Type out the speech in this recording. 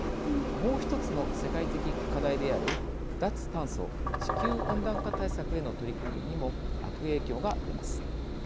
もう１つの世界的課題である脱炭素、地球温暖化対策への取り組みにも悪影響が出ます。